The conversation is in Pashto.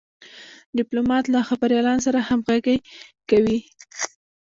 ډيپلومات له خبریالانو سره همږغي کوي.